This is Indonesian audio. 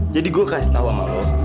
jadi gue kasih tau sama lo